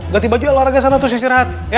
ganti baju olahraga setelah itu istirahat